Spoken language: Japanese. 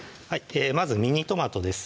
まずミニトマトです